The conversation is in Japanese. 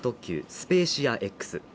スペーシアＸ